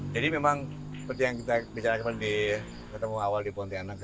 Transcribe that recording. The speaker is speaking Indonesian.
jadi memang seperti yang kita bicara ketemu awal di pontianak